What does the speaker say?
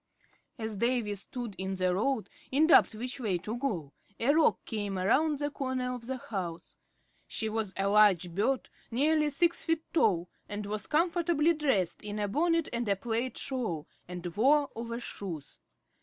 As Davy stood in the road, in doubt which way to go, a Roc came around the corner of the house. She was a large bird, nearly six feet tall, and was comfortably dressed, in a bonnet and a plaid shawl, and wore overshoes.